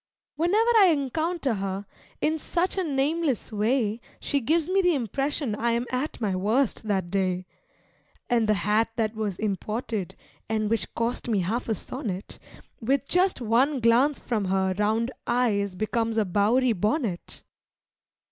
Whenever I encounter her, in such a nameless way She gives me the impression I am at my worst that day. And the hat that was imported (and which cost me half a sonnet), With just one glance from her round eyes becomes a Bowery bonnet.